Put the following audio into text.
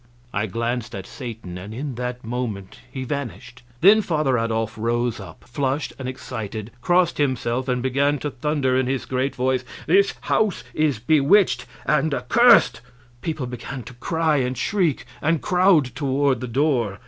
I glanced at Satan, and in that moment he vanished. Then Father Adolf rose up, flushed and excited, crossed himself, and began to thunder in his great voice, "This house is bewitched and accursed!" People began to cry and shriek and crowd toward the door.